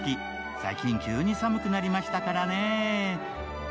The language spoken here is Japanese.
最近、急に寒くなりましたからねぇ